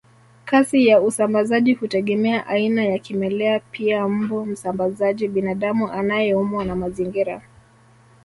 Kasi ya usambazaji hutegemea aina ya kimelea pia mbu msambazaji binadamu anayeumwa na mazingira